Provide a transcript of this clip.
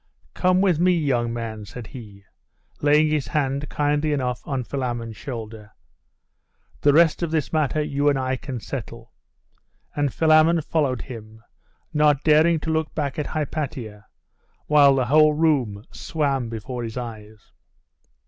'Come with me, young man,' said he, laying his hand kindly enough on Philammon's shoulder.... 'The rest of this matter you and I can settle;' and Philammon followed him, not daring to look back at Hypatia, while the whole room swam before his eyes.